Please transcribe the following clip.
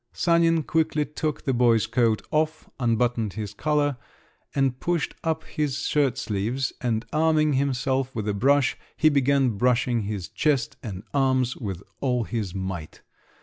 Sanin quickly took the boy's coat off, unbuttoned his collar, and pushed up his shirt sleeves, and arming himself with a brush, he began brushing his chest and arms with all his might.